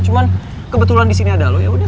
cuman kebetulan disini ada lo yaudah